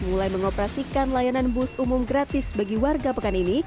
mulai mengoperasikan layanan bus umum gratis bagi warga pekan ini